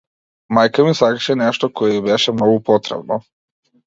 Мајка ми сакаше нешто кое ѝ беше многу потребно.